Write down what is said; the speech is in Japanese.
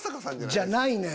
じゃないねん